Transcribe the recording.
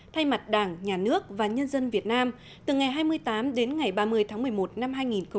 thay mặt đảng nhà nước và nhân dân việt nam từ ngày hai mươi tám đến ngày ba mươi tháng một mươi một năm hai nghìn một mươi chín